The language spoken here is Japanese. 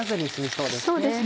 そうですね。